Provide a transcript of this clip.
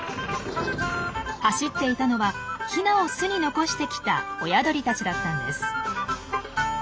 走っていたのはヒナを巣に残してきた親鳥たちだったんです。